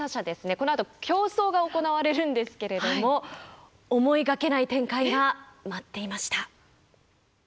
このあと競争が行われるんですけれども思いがけない展開が待っていました。